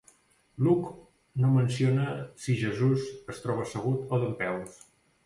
Luke no menciona si Jesús es troba assegut o dempeus.